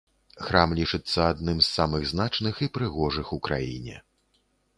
Храм лічыцца адным з самых значных і прыгожых у краіне.